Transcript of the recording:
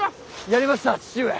やりました父上！